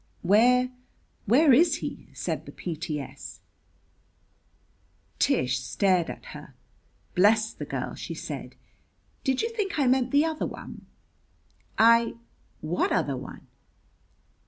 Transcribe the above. "Where where is he?" said the P.T.S. Tish stared at her. "Bless the girl!" she said. "Did you think I meant the other one?" "I What other one?"